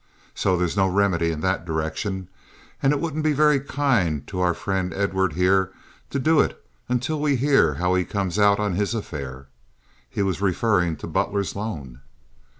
So there's no remedy in that direction. And it wouldn't be very kind to our friend Edward here to do it until we hear how he comes out on his affair." He was referring to Butler's loan.